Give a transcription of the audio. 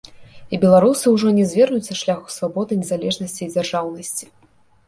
І беларусы ўжо не звернуць са шляху свабоды, незалежнасці і дзяржаўнасці.